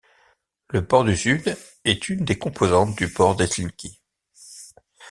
Le port du sud est une des composantes du Port d'Helsinki.